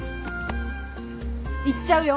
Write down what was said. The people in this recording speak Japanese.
行っちゃうよ！